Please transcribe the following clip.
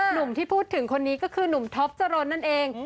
หนุ่มที่พูดถึงคนนี้ก็คือหนุ่มท็อปจรนนั่นเอง